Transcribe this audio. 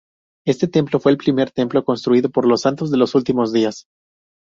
Este templo fue el primer templo construido por los Santos de los Últimos Días.